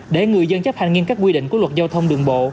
để người dân chấp hành nghiêm các quy định của luật giao thông đường bộ